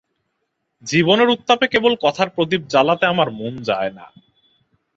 জীবনের উত্তাপে কেবল কথার প্রদীপ জ্বালাতে আমার মন যায় না।